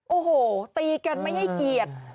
โอ้โหตีกันไม่ให้เกียรติ